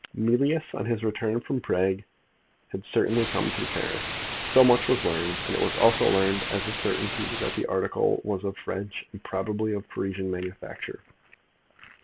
Mealyus, on his return from Prague, had certainly come through Paris. So much was learned, and it was also learned as a certainty that the article was of French, and probably of Parisian manufacture.